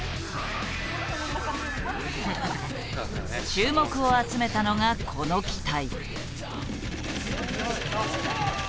注目を集めたのがこの機体。